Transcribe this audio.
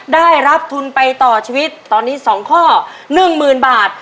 ได้รับทุนไปต่อชีวิตตอนนี้๒ข้อ๑๐๐๐บาท